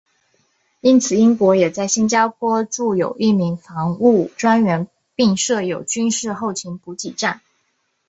因此英国也在新加坡驻有一名防务专员并设有军事后勤补给站。